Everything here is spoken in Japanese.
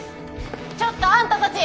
ちょっとあんたたち！